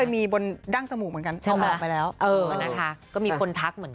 มันจะเป็นแบบรอยเยอะนิดหนึ่ง